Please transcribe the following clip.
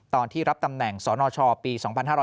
ตอนที่รับตำแหน่งสนชปี๒๕๕๙